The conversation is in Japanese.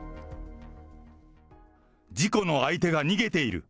事故の相手が逃げている。